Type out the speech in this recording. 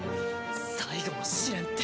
最後の試練って。